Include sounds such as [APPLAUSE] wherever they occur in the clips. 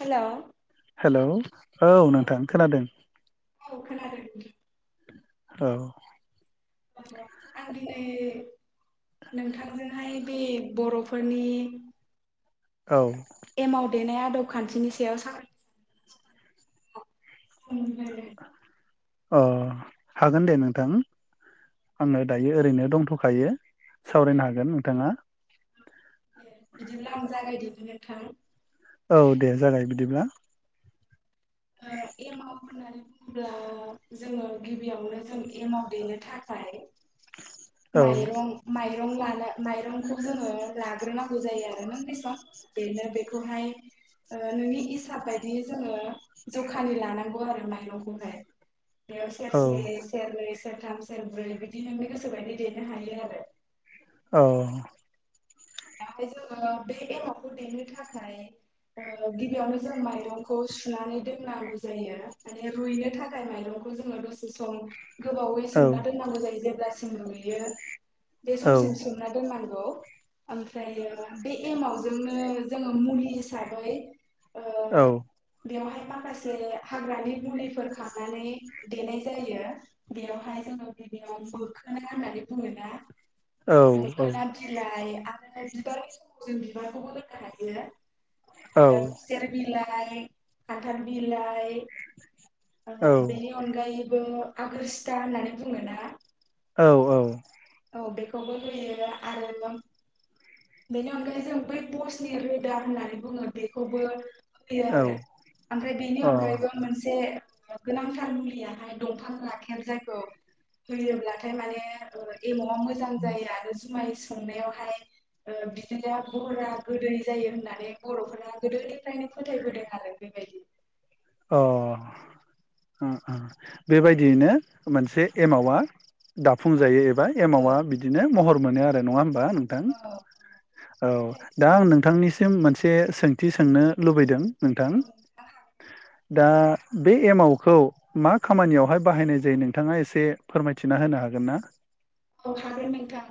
हेल' hello औ नोंथां खोनादों। औ खोनादों। औ आं दिनै नोंथांजोंहाय बे बर'फोरनि औ एमाव देनाया आदब खानथिनि सायाव सावरायनो [UNINTELLIGIBLE] अ हागोन दे नोंथां आङो दायो ओरैनो दंथ'खायो सावरायनो हागोन नोंथाङा। ए बिदिब्लां जागायदमोन नोंथां। [INAUDIBLE] एमाव होननानै बुङोब्ला जोङो गिबियावनो जों एमाव देनो थाखाय औ माइरं माइ माइरं लानो माइरंखौ जोङो लाग्रोनांगौ जायो आरो नों बेसेबां बदेनो बेखौहाय नोंनि हिसाब बायदियै जोङो जखानि लानांगौ आरो माइरंखौहाय बेयाव औ सेरसे सेरनै सेरथाम सेरब्रै बिदि नोंनि गोसोबायदि देनो हायो आरो। औ बेहाय जोङो बे एमावखौ देनो थाखाय ओ गिबियावनो जों माइरंखौ सुनानै दोननांगौ जायो माने रुइनो थाखाय माइरंखौ जोङो दसे सम गोबावै औ सोमना दोननांगौ जायो जे- ब्लासिम रूइयो बे औ समसिम सोमना दोननांगौ। ओमफ्रायो बे एमावजोंनो जोङो मुलि हिसाबै ओ औ बेवहाय माखासे हाग्रानि मुलिफोर खांनानै देनाय जायो बेयावहाय जोङो गिबियाव मोखोना होननानै बुङोना औ मोखोना बिलाइ आ- नाथाय बिबारनि जों बिबारखौबो होनो हायो। औ ओ खुसेर बिला फ्राइ खानथाल बिलाइ ओ बेनि अनगायै ओ आगोरसिथा होननानै बुङोना? औ औ औ बेखौबो होयो आरो बेनि अनगायै जों बै पस्नि रोदा होननानै बुङो बेखौबो होनो हायो अ आरो ओमफ्राय बेनि अनगायैबो मोनसे ओ गोनांथार मुलियाहाय दंफां राखेब जायखौ होयोब्लाथाय माने ओ एमाव मोजां जायो आरो जुमाय संनायावहाय ओ बिदिनो बहरा गोदै जायो होननानै बर'फोरा गोदोनिफ्रायनो फोथायबोदों आरो बेबायदि अ ओ ओ बेबायदियैनो मोनसे एमावआ दाफुंजायो जायो एबा आरो। औ एमावा बिदिनो महर मोनो आरो नङाहोम ओ नोंथां औ औ नाथाय दा औ आं नोंथांनिसिम मोनसे बे सोंथि सोंनो लुबैदों नोंथां औ नोंथां हागोन दा बे एमावखौ मा खामानियावहाय बाहायनाय जायो नोंथाङा एसे फोरमायथिना होनो हागोन ना? औ हागोन नोंथां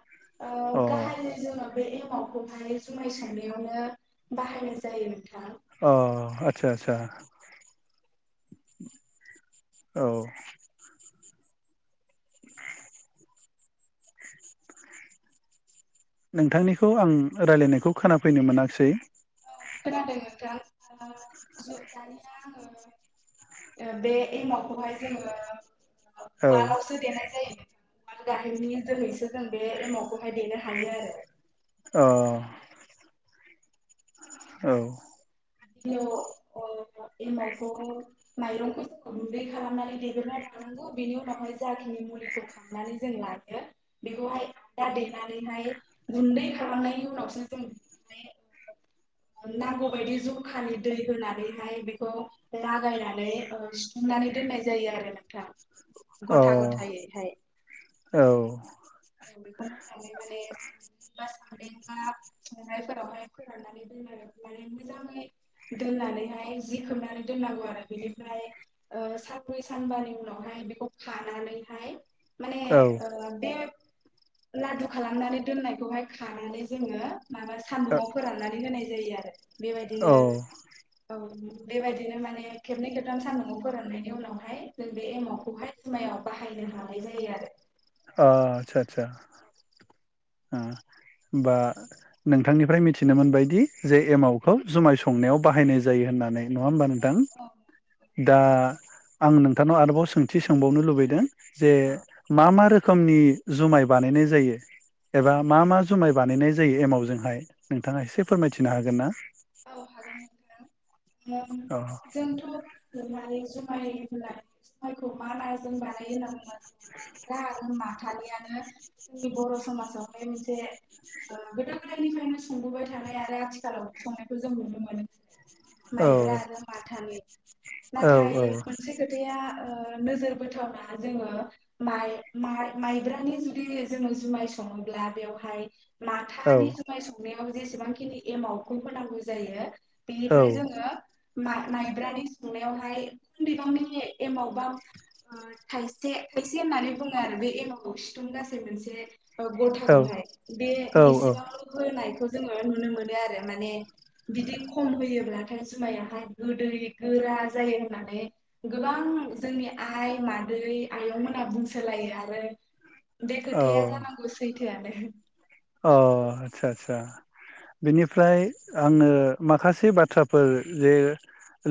ओ अ गाहायै जोङो बे एमा एमावखौहाय जुमाय संनायावनो बाहायनाय जायो नोंथां। औ आदसा आदसा औ [INAUDIBLE] नोंथांनिखौ आं रायलायनायखौ खोनाफैनाय मोनाखिसै खोनादों नोंथां दानिया आङो बे एमावखौहाय जोङो औ उवानावसो देनाय जायो उवाल गाहेयनि जोैसो जों बे एमावखौहाय देनो हायो आरो। अ औ गिबियाव ओ एमावखौ माइरंखौ जों गुन्दै खालामनानै देग्रना लानांगौ बेनि उनावहाय जाखिनि मुलिखौ खांनानै जों लायो बेखौहाय आदा देनानैहाय गुन्दै खालामनायनि उनावसो जों बेखौहाय नांगौबायायदि जखानि दै होनानैहाय बेखौ लागायनानै सिफुंनानै दोननाय जायो आरो नोंथां। अ गथा गथायैहाय औ बेखौ मोजाङै माने [INAUDIBLE] [INAUDIBLE] संनायफोरावहाय फोराननानै [UNINTELLIGIBLE] मोजाङै दोननानैहाय जि खोबनानै दोननांगौ आरो बिनिफ्राय ओ सानब्रै सानबानि उनावहाय बेखौ खानानैहाय माने औ ओ बे लादु खालामनानै दोननायखौहाय खानानै जोङो माबा सानदुुंआव फोराननानै होनाय जायो आरो बेबायदिनो औ औ बेबायदिनो माने खेबनै खेबथाम सान्दुंआव फोराननायनि उनावहाय जों बे एमावखौहाय जुमायाव बाहायनो हानाय जायो आरो। अ आतसा आतसा होम बा नोंथांनिफ्राय मिथिनो मोनबायदि जे एमावखौ जुमाय संनायाव बाहायनाय जायो होननानै नङा होमबा नोंथां औ दा आं नोंथांनाव आरोबाव सोंथि सोंबावनो लुबैदों जे औ मा मा रो रोखोमनि जुमाय बानायनाय जायो? एबा मा औ मा जुमाय बानायनाय जायो एमावजोंहाय नोंथाङा एसे फोरमायथिनो हागोन ना? औ हागोन नोंथां। औ जोंथ [INAUDIBLE] जुमाय होनाय जायखौ मा मा जों बानायो होना बुंबा माइब्रा आरो माता थानायानो जोंनि बर' समाजावहाय मोनसे गोदा गोदायनिफ्रायनो सोंबोबाय थानाय आरो आथिखालाव संनायखौ जों नुनो मोनो। माइब्रा औ आरो माथानि नाथाय औ मोनसे खोथाया नोजोर बोथावना जोङो माइ-माइ-माइब्रानि जुदि जोङो जुमाय सङोब्ला बेवहाय औ माथानि जुमाय संनायाव जेसेबांखिनि एमाव खौ होनांगौ जायो औ बेनिफ्राय जोङो माइ-माइब्रानि संनायावहाय एसे बिबांनि एमावबा थाइसे थाइसे होननानै बुङो आरो बे एमाव सिथुं गासै मोनसे गरथखौहाय बे औ औ बेसेबांल' होनायखौ जोङो नुनो मोनो आरो। माने बिदि खम होयोब्लाथाय जुमायाहाय गोदै गोरा जायो होननानै गोबां जोंनि आइ मादै आयंमोनहा बुंसोलायो आरो बे खोथाया औ जानांगौ सै [UNINTELLIGIBLE] बिनिफ्राय आङो माखासे बाथ्राफोर जे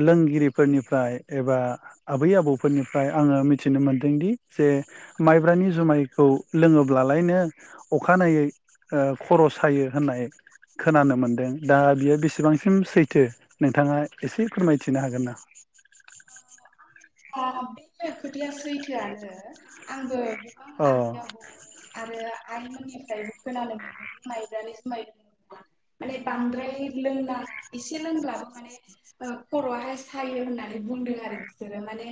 लोंगिरिफोरनिफ्राय एबा आबै आबौफोरनिफ्राय आङो मिथिनो मोनदोंदि जे माइब्रानि जुमायखौ लोङोब्लालायनो अखानायै ओ खर' सायो होननाय खोनानो मोनदों दा बियो बेसेबांसिम सैथो नोंथाङा एसे फोरमायथिनो हागोन ना बे खोथाया सैथोआनो आंबो गोबां अ आबै आबौ आरो आइमोननिफ्रायबो खोनानो मोनो माइब्रानो जुमाइ लोंब्ला माने बांद्राय लोंनाङा एसे लोंब्लाबो माने खर'आहाय सायो होननानै बुंदों आरो बिसोरो माने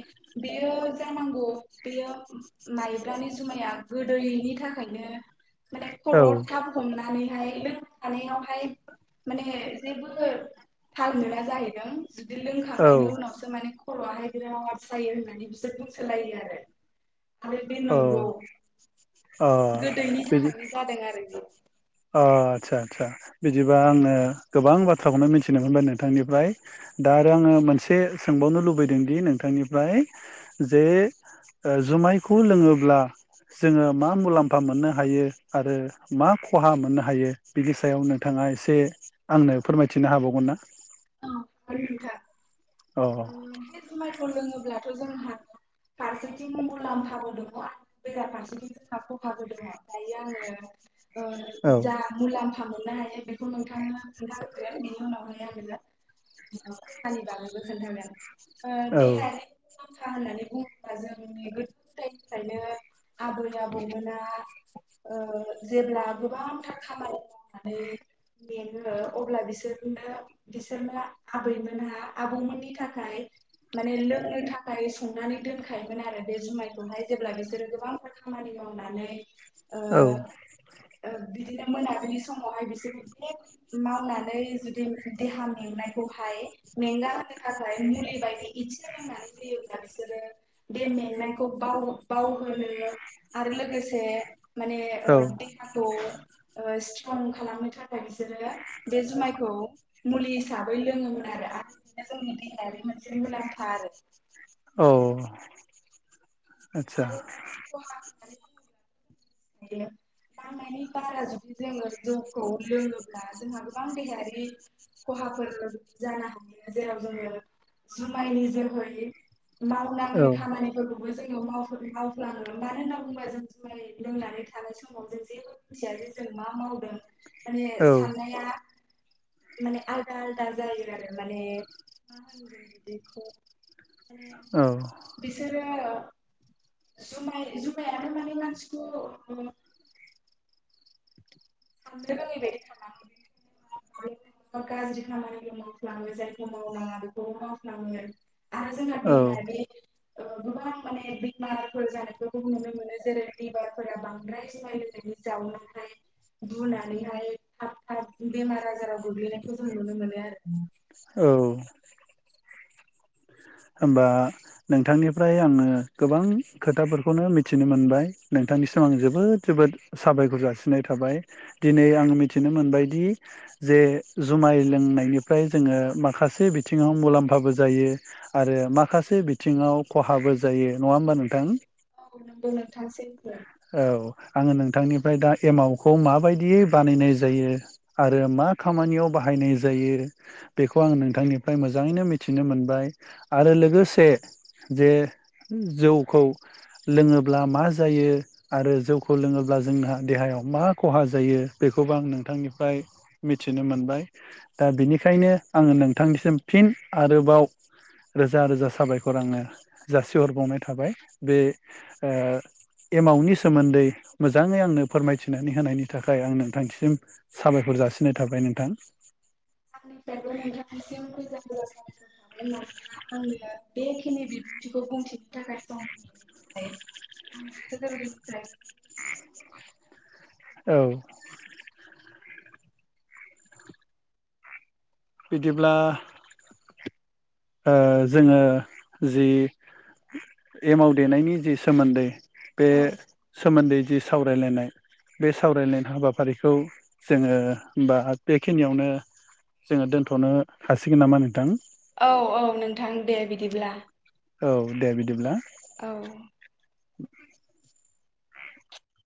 बेयो जानांगौ बेयो माइब्रानि जुमाया गोदैनि थाखायनो माने औ खर'वाव थाब हमनानै ओमफ्राय बे थानायावहाय माने जेबो थाल मोना जाहैदों जुदि औ लोंखांनायनि उनावसो माने खर'वाहाय [UNINTELLIGIBLE] सायो होननानै बिसोर बुंसलायो आरो आरो बे औ नंगौ अ गोदैनि बिदि थाखायनो जादों आरो बेयो आदसा आदसा बिदिबा आङो गोबां बाथ्राखौनो मिथिनो मोनबाय नोंथांनिफ्राय दा आरो आङो मोनसे सोंबावनो लुबैदोंदि नोंथांनिफ्राय जे जुमायखौ लोङोब्ला जोङो मा मुलाम्फा मोननो हायो आरो मा खहा मोननो हायो बिनि सायाव नोंथाङा एसे आंनो फोरमायथिनो हाबावगोन ना? [UNINTELLIGIBLE] औ बे जुमायखौ लोङोब्ला जोंहा फारसेथिं मुलाम्फाबो दङ बेराफारसेथिं जोंहा खहा [UNINTELLIGIBLE] दायो आङो औ जा मुलाम्फा मोन मोननो हायो बेखौ नोंथां नोंथांनो खोन्था होगोन बिनि उनावहाय आङो [UNINTELLIGIBLE] [UNINTELLIGIBLE] बागैबो खोनथागोन ओ औ [UNINTELLIGIBLE] होननानै बुङोब्ला जोंनि गोदो गोदायनिफ्रायनो आबै आबौमोना ओ जेब्ला गोबांथार खामानि मावनानै बेनो अब्ला बिसोर [UNINTELLIGIBLE] बिसोर आबैमोनहा आबौमोननि थाखाय माने लोंनो थाखाय संनानै दोनखायोमोन आरो बे जुमायखौहाय जेब्ला बिसोरो गोबांथार खामानि मावनानै ओ औ बिदिनो मोनाबिलि समावहाय बिसोरो बे मावनानै जुदि देहा मेंनायखौहाय मेंगा होनो थाखाय मुलि बायदि इसि लोंनानै होयोब्ला बिसोरो बे मेंनायखौ बाव बावहोनो आरो लोगोसे माने औ देहाखौ ओ स्ट्रं खालामनो थाखाय बिसोरो बे जुमायखौ मुलि हिसाबै लोङोमोन आरो आरो बिनो जोंनि देहायारि मोनसे मुलाम्फा आरो औ आतसा माने बिदिनो नांनायनि बारा जुदि जोङो जौखौ लोङोब्ला जोंहा गोबां देहायारि खहाफोर जानो हायो जेराव जोङो जुमायनि जोहै औ मावनाङै खामानिफोरखौ बो जों मावफ्लाङो मानो होनना बुङोब्ला जों जुमाय लोंनानै थानाय समाव जों जेबो मोनथियाजे जों मा मावदों माने साननाया माने आलदा आलदा जायो आरो माने मा होनगोन बिदिखौ मान औ बिसोरो जुमाय जुमायाबो माने मानसिखौ साननो रोङै बायदि खालामो गाज्रि खामानिखौ मावफ्लाङो जायखौ मावनाङा बेखौबो मावफ्लाङो। आरो जोंहा बेबायदि ओ गोबां माने बेमारफोर जानायखौ नुनो मोनो जेरै लिभारफोरा बांद्राय जुमाय लोंनायनि जाउनावहाय बुनानैहाय थाब थाब बेमार आजाराव गोग्लैनायखौ जों नुनो मोनो आरो। औ होमबा नोंथांनिफ्राय आङो गोबां खोथाफोरखौनो मिथिनो मोनबाय नोंथांनिसिम आं जोबोद जोबोद साबायखर जासिनाय थाबाय दिनै आं मिथिनो मोनबायदि जे जुमाय लोंनायनिफ्राय जोङो माखासे बिथिङाव मुलाम्फाबो जायो। आरो माखासे बिथिङाव खहाबो जायो नङा होमबा नोंथां? औ नंगौ नोंथां सैथो औ आङो नोंथांनिफ्राय दा एमावखौ माबायदियै बानायनाय जायो आरो मा खामानियाव बाहायनाय जायो बेखौ आं नोंथांनिफ्राय मोजाङैनो मिथिनो मोनबाय आरो लोगोसे जे जौखौ लोङोब्ला मा जायो। आरो जौखौ लोङोब्ला जोंहा देहायाव मा खहा जायो बेखौबो आं नोंथांनिफ्राय मिथिनो मोनबाय दा बिनिखायनो आङो नोंथांनिसिम फिन आरोबाव रोजा रोजा साबायखर आङो जासिहरबावनाय थाबाय। बे एमावनि सोमोन्दै मोजाङै आंनो फोरमायथिनानै होनायनि थाखाय आं नोंथांनिसिम साबायखर जासिनाय थाबाय नोंथां। आंनिफ्रायबो नोंथांसिम रोजा रोजा साबायखर थाबाय मानोना आंनि बेखिनि बिबुंथिखौ बुंथिनो थाखाय सम [UNINTELLIGIBLE] [UNINTELLIGIBLE] औ बिदिब्ला ओ जोङो जि एमाव देनायनि जि सोमोन्दै बे औ सोमोनदै जि सावरायलायनाय बे सावरायलायनाय हाबाफारिखौ जोङो होमबा बेखिनियावनो जोङो दोनथनो हासिगोन नामा नोंथां? औ औ नोंथां दे बिदिब्ला। औ दे बिदिब्ला औ [INAUDIBLE]